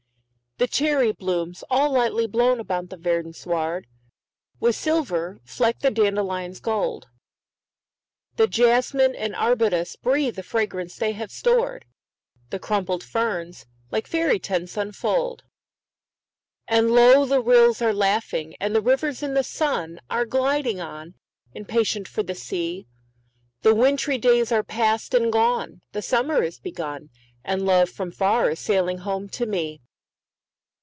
The cherry blooms, all lightly blown about the verdant sward, With silver fleck the dandelion's gold; The jasmine and arbutus breathe the fragrance they have stored; The crumpled ferns, like faery tents, unfold. And low the rills are laughing, and the rivers in the sun Are gliding on, impatient for the sea; The wintry days are past and gone, the summer is begun, And love from far is sailing home to me!